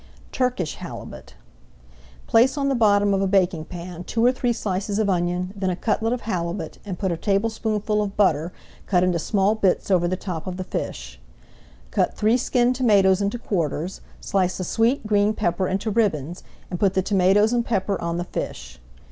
TURKISH HALIBUT Place on the bottom of a baking pan two or three slices of onion, then a cutlet of halibut, and put a tablespoonful of butter cut into small bits over the top of the fish. Cut three skinned tomatoes into quarters, slice a sweet green pepper into ribbons, and put the tomatoes and pepper on the fish.